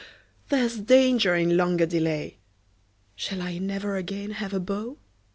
There's danger in longer delay! Shall I never again have a beau?